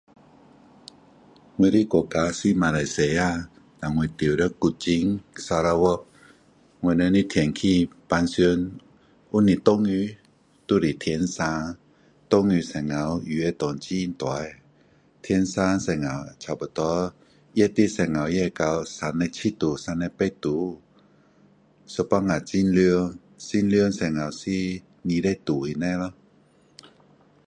我的国家是马来西亚。但我住在古晋，砂劳越。我们的天气平常不是下雨，就是天晴。下雨的时候，雨会下很大。天晴的时候，差不多，热的时候也会到三十七度，三十八度。有时候很凉，很凉的时候也是二十度以内咯。